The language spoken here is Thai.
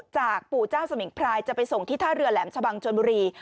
จากปู่เจ้าสมิงพรายจะไปส่งที่ท่าเรือแหลมชะบังชนบุรี